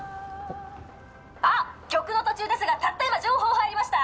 「あっ曲の途中ですがたった今情報入りました」